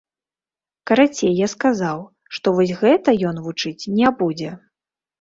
Карацей, я сказаў, што вось гэта ён вучыць не будзе.